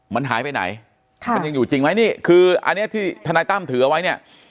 มันหายไปไหนมันยังอยู่จริงไหมนี่คืออันนี้ที่ทนายตั้มถือเอาไว้เนี่ย